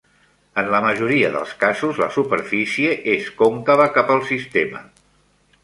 En la majoria dels casos la superfície és còncava cap al sistema.